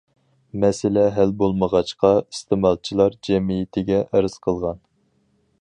مەسىلە ھەل بولمىغاچقا ئىستېمالچىلار جەمئىيىتىگە ئەرز قىلغان.